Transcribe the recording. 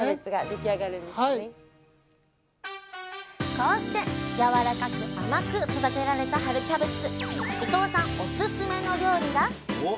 こうしてやわらかく甘く育てられた春キャベツ